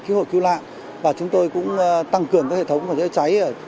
cứu hộ cứu lạc và chúng tôi cũng tăng cường các hệ thống phòng chữa cháy